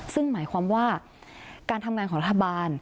ซึ่งหมายความว่าการทำงานของรัฐบาล